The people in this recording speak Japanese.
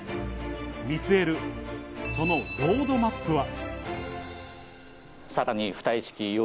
見据えるそのロードマップは。